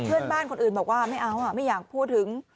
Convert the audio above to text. เพื่อนบ้านคนอื่นบอกว่าไม่เอาไม่อยากพูดถึง